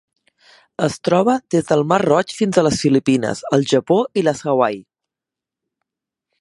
Es troba des del Mar Roig fins a les Filipines, el Japó i les Hawaii.